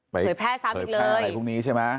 เผยแพร่ซ้ำอีกเลยเผยแพร่ไข้พรุ่งนี้ใช่ไหม